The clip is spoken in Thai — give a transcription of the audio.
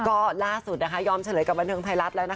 ก็ล่าสุดนะคะยอมเฉลยกับบันเทิงไทยรัฐแล้วนะคะ